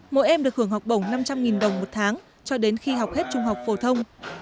mỗi em được hưởng học bổng năm trăm linh đồng một tháng cho đến khi học hết trung học phổ thông